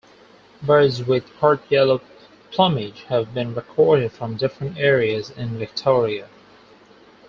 Birds with part-yellow plumage have been recorded from different areas in Victoria.